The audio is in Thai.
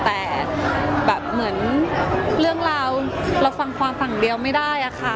แต่แบบเหมือนเรื่องราวเราฟังความฝั่งเดียวไม่ได้อะค่ะ